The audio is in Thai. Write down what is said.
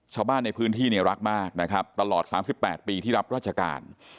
ชาวบ้านในพื้นที่รักมากตลอด๓๘ปีที่รับราชการ